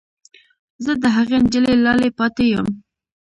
زه د هغې نجلۍ لالی پاتې یم